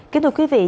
kính thưa quý vị